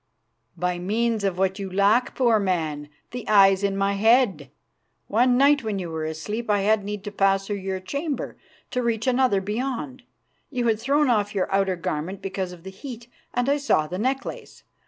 "By means of what you lack, poor man, the eyes in my head. One night when you were asleep I had need to pass through your chamber to reach another beyond. You had thrown off your outer garment because of the heat, and I saw the necklace.